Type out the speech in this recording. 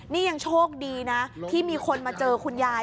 นี่ยังโชคดีนะที่มีคนมาเจอคุณยาย